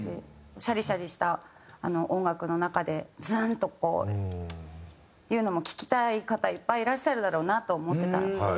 シャリシャリした音楽の中でズンッ！とこうというのも聴きたい方いっぱいいらっしゃるだろうなと思ってたみたいです。